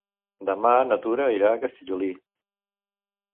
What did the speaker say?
Demà na Tura irà a Castellolí.